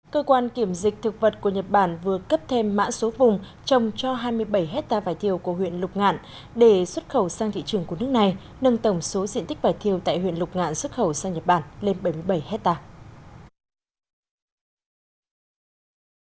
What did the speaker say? cơ quan kiểm dịch thực vật của nhật bản vừa cấp thêm mã số vùng trồng cho hai mươi bảy hectare vải thiều của huyện lục ngạn để xuất khẩu sang thị trường của nước này nâng tổng số diện tích vải thiều tại huyện lục ngạn xuất khẩu sang nhật bản lên bảy mươi bảy hectare